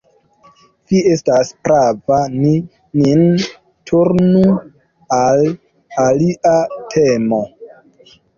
Vi estas prava: ni nin turnu al alia temo.